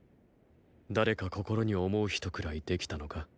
誰か心に想う人くらいできたのか？